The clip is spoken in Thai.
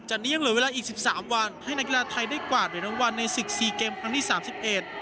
นี้ยังเหลือเวลาอีกสิบสามวันให้นักกีฬาไทยได้กวาดเหรียญรางวัลในศึกสี่เกมครั้งที่สามสิบเอ็ด